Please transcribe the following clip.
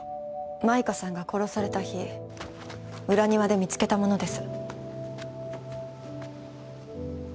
舞歌さんが殺された日裏庭で見つけたものです。